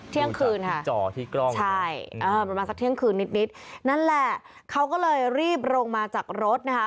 เที่ยงคืนค่ะใช่ประมาณสักเที่ยงคืนนิดนั่นแหละเขาก็เลยรีบลงมาจากรถนะคะ